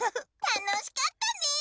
たのしかったね。